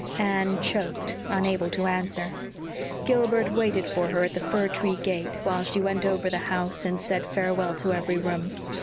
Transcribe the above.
Anne choked, unable to answer. Gilbert waited for her at the fir tree gate, while she went over the house and said farewell to every room.